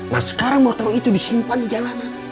nah sekarang motong itu disimpan di jalanan